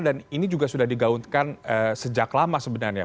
dan ini juga sudah digauntikan sejak lama sebenarnya